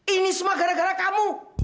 ini semua gara gara kamu